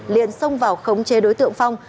liện xông vào khống chế đối tượng phong